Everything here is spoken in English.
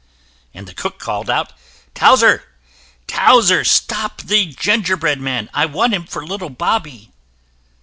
And the cook called out: "Towser, Towser, stop the gingerbread man! I want him for little Bobby."